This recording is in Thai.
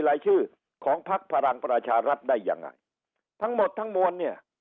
รายชื่อของพักพลังประชารัฐได้ยังไงทั้งหมดทั้งมวลเนี่ย